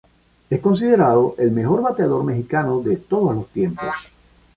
Es considerado el mejor bateador mexicano de todos los tiempos.